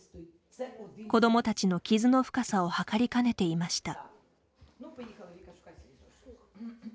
子どもたちの傷の深さを測りかねていました。